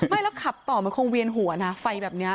ไม่แล้วขับต่อมันคงเวียนหัวนะไฟแบบนี้